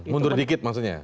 mundur dikit maksudnya